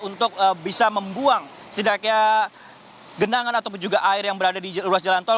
untuk bisa membuang setidaknya genangan ataupun juga air yang berada di ruas jalan tol